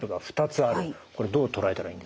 これどう捉えたらいいんですか？